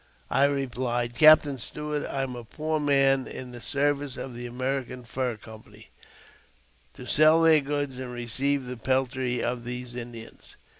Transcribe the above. " I replied, " Captain Stuart, I am a poor man in the service of the American Fur Company, to sell their goods and receive the peltry of these Indians.